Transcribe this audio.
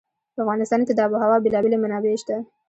په افغانستان کې د آب وهوا بېلابېلې منابع شته.